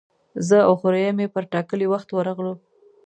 زه او خوریی مې پر ټاکلي وخت ورغلو.